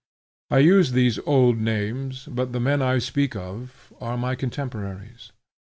I use these old names, but the men I speak of are my contemporaries.